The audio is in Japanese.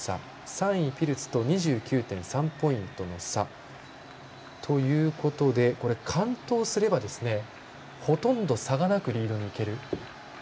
３位ピルツと２９．３ポイントの差ということで完登すればほとんど差がなくリードにいける。